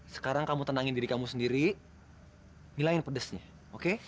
sekarang kamu tenangin diri kamu sendiri nyalain pedesnya oke